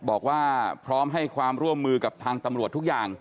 บอกว่าพร้อมให้ความร่วมมือกับทางตำรวจทุกอย่าง